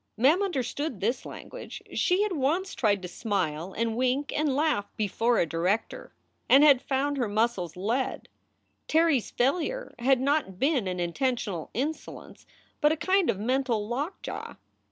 Mem understood this language. She had once tried to smile and wink and laugh before a director, and had found her muscles lead. Terry s failure had not been an intentional insolence, but a kind of mental lockjaw.